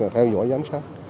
theo dõi giám sát